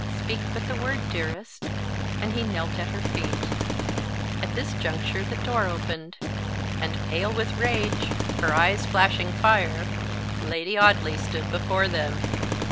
Speak but the word, dearest." And he knelt at her feet. At this juncture the door opened, and, pale with rage, her eyes flashing fire, Lady Audley stood before them.